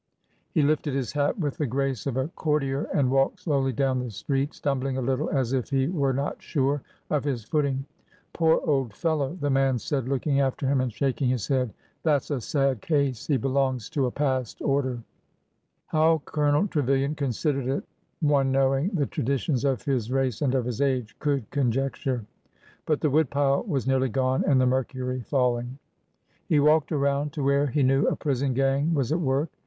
He lifted his hat with the grace of a courtier and walked slowly down the street, stumbling a little as if he were not sure of his footing. " Poor old fellow !" the man said, looking after him and shaking his head, " That 'si a sad case ! He belongs to a past order.'^ 362 ORDER NO. 11 How Colonel Trevilian considered it one knowing the traditions of his race and of his age could conjecture. But— the woodpile was nearly gone, and the mercury falling ! He walked around to where he knew a prison gang was at work.